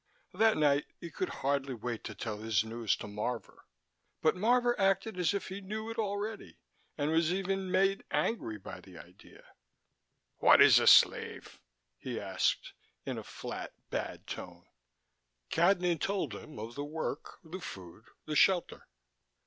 That night he could hardly wait to tell his news to Marvor but Marvor acted as if he knew it already and was even made angry by the idea. "What is a slave?" he asked, in a flat, bad tone. Cadnan told him of the work, the food, the shelter....